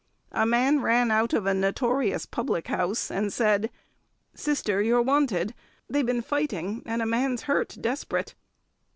A man ran out of a notorious public house and said, "Sister, you're wanted; they've been fighting, and a man's hurt desperate."